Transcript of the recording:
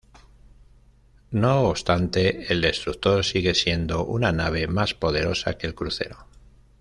No obstante, el destructor sigue siendo una nave más poderosa que el crucero.